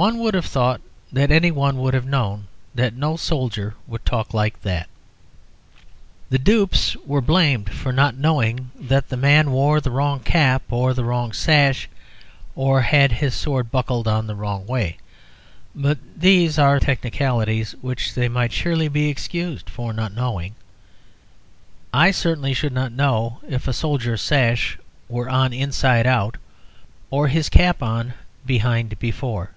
One would have thought any one would have known that no soldier would talk like that. The dupes were blamed for not knowing that the man wore the wrong cap or the wrong sash, or had his sword buckled on the wrong way; but these are technicalities which they might surely be excused for not knowing. I certainly should not know if a soldier's sash were on inside out or his cap on behind before.